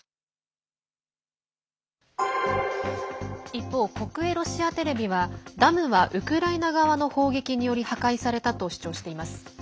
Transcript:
一方、国営ロシアテレビはダムはウクライナ側の砲撃により破壊されたと主張しています。